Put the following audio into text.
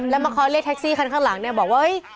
แล้วมาคอยเรียกแท็กซี่คันข้างหลังเนี่ยบอกว่าเฮ้ย